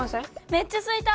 めっちゃすいた！